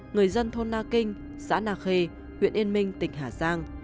người dân thôn na kinh xã na khê huyện yên minh tỉnh hà giang